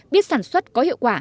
biết sản xuất có hiệu quả